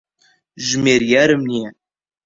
ژمێریارم نییە.